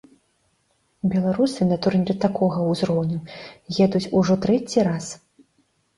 Беларусы на турнір такога ўзроўню едуць ужо ў трэці раз.